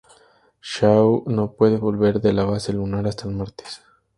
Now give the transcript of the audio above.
Shaw no puede volver de la base lunar hasta el martes".